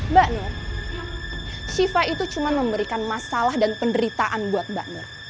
mbak nur shiva itu cuma memberikan masalah dan penderitaan buat mbak nur